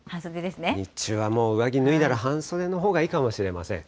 日中はもう上着脱いだら半袖のほうがいいかもしれません。